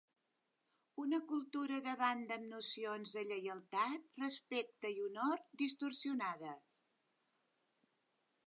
Una cultura de banda amb nocions de lleialtat, respecte i honor distorsionades.